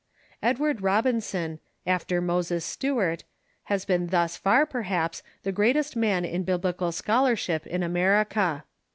Ed ward Robinson, after Moses Stuart, has been thus far, perhaps, the greatest man in Biblical scholarship in America.